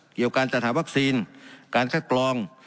เกี่ยวการจัดหาวัคซีนการคัดกรอง